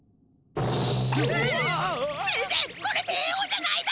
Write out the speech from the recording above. せんせこれ帝王じゃないだ！